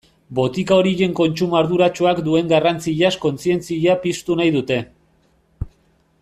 Botika horien kontsumo arduratsuak duen garrantziaz kontzientzia piztu nahi dute.